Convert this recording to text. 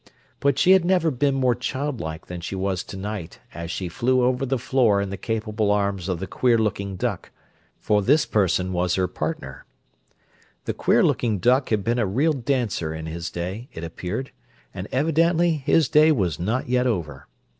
But she had been never more childlike than she was tonight as she flew over the floor in the capable arms of the queer looking duck; for this person was her partner. The queer looking duck had been a real dancer in his day, it appeared; and evidently his day was not yet over.